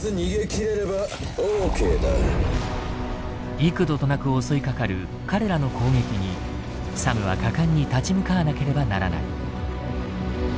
幾度となく襲いかかる彼らの攻撃にサムは果敢に立ち向かわなければならない。